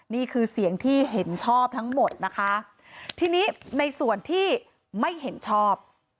นี่คือเสียงที่เห็นชอบทั้งหมดนะคะทีนี้ในส่วนที่ไม่เห็นชอบ